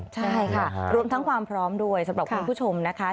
ใช่ค่ะรวมทั้งความพร้อมด้วยสำหรับคุณผู้ชมนะคะ